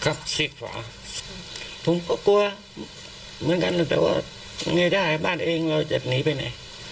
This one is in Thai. สิบกว่าผมก็กลัวเหมือนกันแต่ว่าไม่ได้บ้านเองเราจะหนีไปไหน